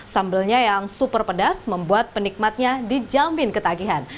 sambelnya yang super pedas membuat penikmatnya dijamin ketagihan